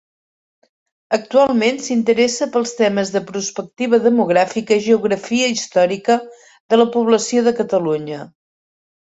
Actualment s'interessa pels temes de prospectiva demogràfica i geografia històrica de la població de Catalunya.